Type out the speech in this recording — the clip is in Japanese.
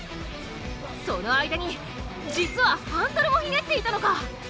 その間に実はハンドルもひねっていたのか！